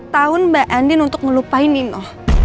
empat tahun mbak andin untuk ngelupain nino